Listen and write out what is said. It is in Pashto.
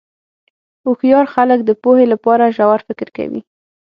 هوښیار خلک د پوهې لپاره ژور فکر کوي.